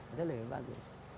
itu lebih bagus